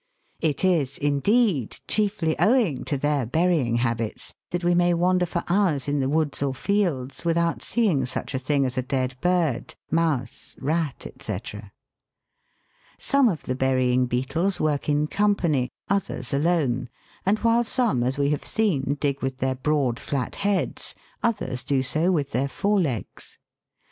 It is, indeed, chiefly owing to their burying habits that we may wander for hours in the woods or fields without seeing such a thing as a dead bird, mouse, rat, &c. Some of the burying beetles work in company, others alone, and while some, as we have seen, dig with their broad flat heads, others do so with their fore legs.